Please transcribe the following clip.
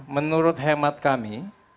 menurut hemat kami